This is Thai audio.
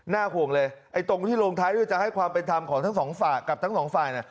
ห่วงเลยตรงที่ลงท้ายด้วยจะให้ความเป็นธรรมของทั้งสองฝ่ายกับทั้งสองฝ่าย